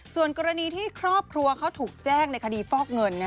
ส่วนกรณีที่ครอบครัวเขาถูกแจ้งในคดีฟอกเงิน